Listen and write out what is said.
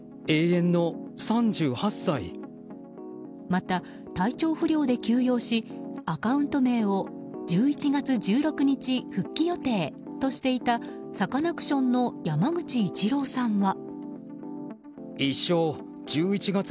また、体調不良で休養しアカウント名を「１１月１６日復帰予定」としていたサカナクションの山口一郎さんは。